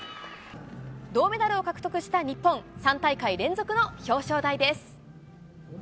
銅メダルを獲得した日本、３大会連続の表彰台です。